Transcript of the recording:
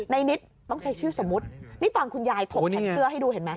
นิดต้องใช้ชื่อสมมุตินี่ตอนคุณยายถกแผ่นเสื้อให้ดูเห็นไหม